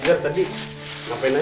indra tadi ngapain aja